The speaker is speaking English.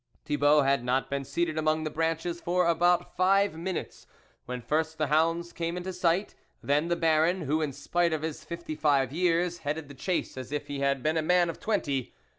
Thibault had not been seated among the branches for above five minutes, when first the hounds came into sight, then the Baron, who in spite of his fifty five years, headed the chase as if he had been a man of twenty.